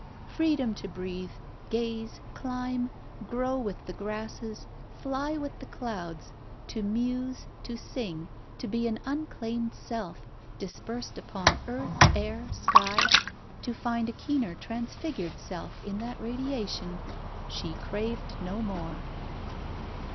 Freedom to breathe, gaze, climb, grow with the grasses, fly with the clouds, to muse, to sing, to be an unclaimed self, dispersed upon earth, air, sky, to find a keener transfigured self in that radiation she craved no more.